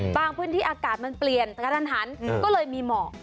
พื้นที่อากาศมันเปลี่ยนกระทันหันก็เลยมีหมอก